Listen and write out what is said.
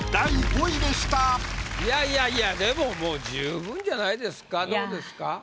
いやいやいやでももう十分じゃないですかどうですか？